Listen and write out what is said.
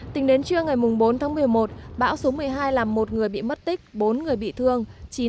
tính đến trưa ngày bốn tháng một mươi một bão số một mươi hai làm một người bị mất tích bốn người bị thương